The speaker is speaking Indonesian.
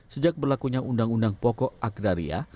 sejak berlakunya undang undang pokok agraria